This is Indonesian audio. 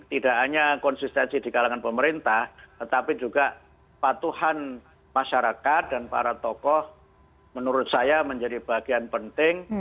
tidak hanya konsistensi di kalangan pemerintah tetapi juga patuhan masyarakat dan para tokoh menurut saya menjadi bagian penting